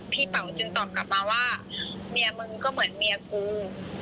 เป่าจึงตอบกลับมาว่าเมียมึงก็เหมือนเมียกู